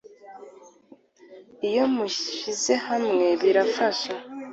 Iyo mushyize hamwe birafasha